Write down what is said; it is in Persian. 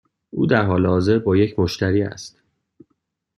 او در حال حاضر با یک مشتری است.